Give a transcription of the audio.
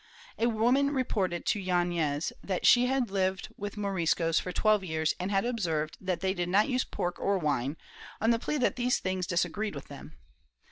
A woman reported to Yaiies that she had lived with Moriscos for twelve years and had observed that they did not use pork or wine, on the plea that these things dis agreed with them.